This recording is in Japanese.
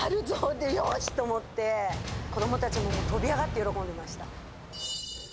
で、よし！と思って、子どもたちも跳び上がって喜んでました。